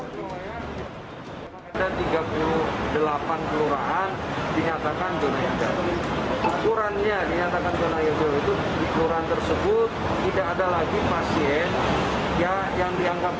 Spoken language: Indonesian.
sholat id cenderung menurun